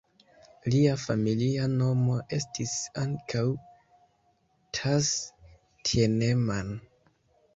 Lia familia nomo estis ankaŭ "Thass-Thienemann".